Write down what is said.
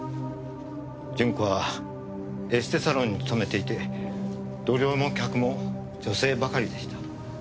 順子はエステサロンに勤めていて同僚も客も女性ばかりでした。